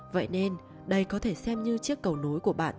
vậy nên đây có thể xem như chiếc cầu nối của bạn